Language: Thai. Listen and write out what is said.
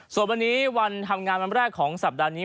ส่วนวันนี้วันทำงานวันแรกของสัปดาห์นี้